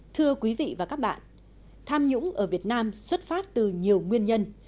thưa quý vị và các bạn tham nhũng ở việt nam xuất phát từ nhiều nguyên nhân